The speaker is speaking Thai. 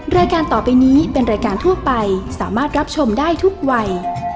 รายการต่อไปนี้เป็นรายการทั่วไปสามารถรับชมได้ทุกวัย